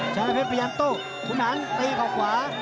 ชนะเพชรพยันตุขุนหานตีเข้าขวา